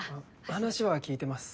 話は聞いてます。